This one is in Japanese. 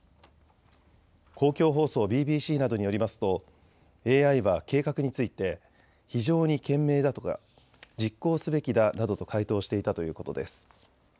公共放送ＢＢＣなどによりますとＡＩは計画について非常に賢明だとか実行すべきだなどと回答していたということです。